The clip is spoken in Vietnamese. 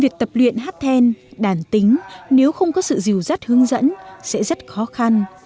việc tập luyện hát then đàn tính nếu không có sự dìu dắt hướng dẫn sẽ rất khó khăn